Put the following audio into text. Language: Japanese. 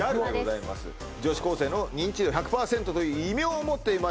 すごい女子高生の認知度１００％という異名をもっていました